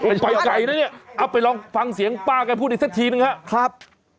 ไปไกลแล้วเนี่ยไปลองฟังเสียงป้ากันพูดอีกซักทีหนึ่งครับ